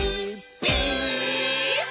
ピース！」